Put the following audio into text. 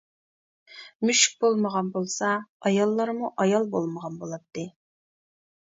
مۈشۈك بولمىغان بولسا، ئاياللارمۇ ئايال بولمىغان بولاتتى.